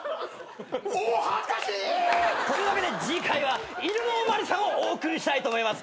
お恥ずかしい！というわけで次回は『いぬのおまわりさん』をお送りしたいと思います。